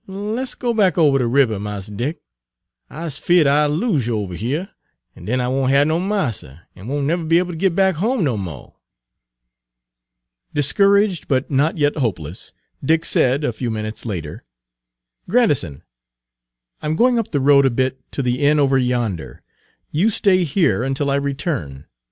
"Let's go back ober de ribber, Mars Dick. I's feared I'll lose you ovuh heah, an' den I won' hab no marster, an' won't nebber be able to git back home no mo'." Discouraged, but not yet hopeless, Dick said, a few minutes later, "Grandison, I 'm going up the road a bit, to the inn over yonder. You stay here until I return.